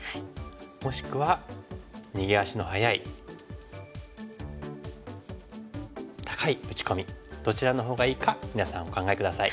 もしくは逃げ足の早い高い打ち込みどちらのほうがいいか皆さんお考え下さい。